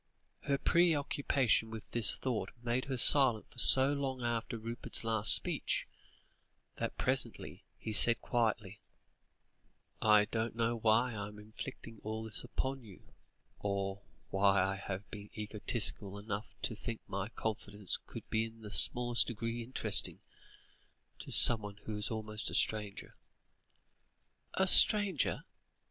Her preoccupation with this thought made her silent for so long after Rupert's last speech, that presently he said quietly: "I don't know why I am inflicting all this upon you, or why I have been egotistical enough to think my confidence could be in the smallest degree interesting, to somebody who is almost a stranger." "A stranger?"